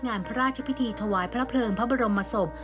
งานพระราชพิธีถวายพระเพลิงพระบรมศพ